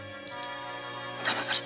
だまされた。